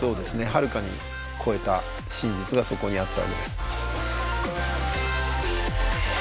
はるかに超えた真実がそこにあったわけです。